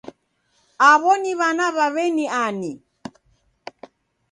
Aw'o ni w'ana w'a w'eni ani